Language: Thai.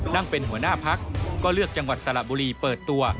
นั่งเป็นหัวหน้าพักก็เลือกจังหวัดสระบุรีเปิดตัว